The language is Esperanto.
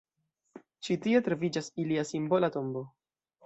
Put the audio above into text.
Ĉi tie troviĝas ilia simbola tombo.